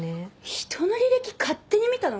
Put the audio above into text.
ひとの履歴勝手に見たの？